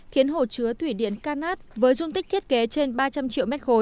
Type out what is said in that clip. khiến hồ chứa thủy điện ca nát với dung tích thiết kế trên ba trăm linh triệu m ba